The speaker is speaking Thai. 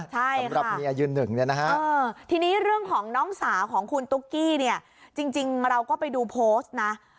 ใช่ค่ะที่นี่เรื่องของน้องสาวของคุณตุ๊กกี้เนี่ยจริงเราก็ไปดูโพสต์นะ